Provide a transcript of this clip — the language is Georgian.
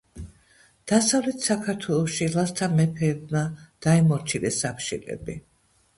დასავლეთ საქართველოში ლაზთა მეფეებმა დაიმორჩილეს აფშილები.